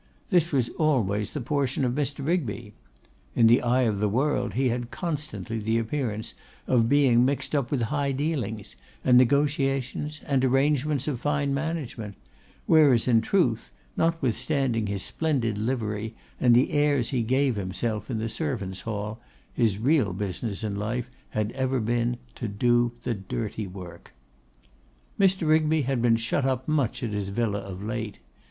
This was always the portion of Mr. Rigby. In the eye of the world he had constantly the appearance of being mixed up with high dealings, and negotiations and arrangements of fine management, whereas in truth, notwithstanding his splendid livery and the airs he gave himself in the servants' hall, his real business in life had ever been, to do the dirty work. Mr. Rigby had been shut up much at his villa of late.